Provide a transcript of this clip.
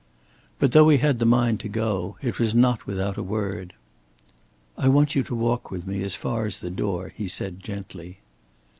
But though he had the mind to go, it was not without a word. "I want you to walk with me as far as the door," he said, gently.